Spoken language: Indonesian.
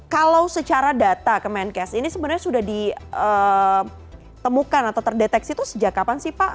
kalau secara data kemenkes ini sebenarnya sudah ditemukan atau terdeteksi itu sejak kapan sih pak